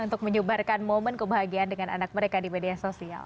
untuk menyebarkan momen kebahagiaan dengan anak mereka di media sosial